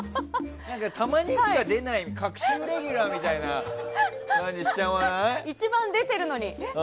たまにしか出ない隔週レギュラーみたいな一番出てるのに。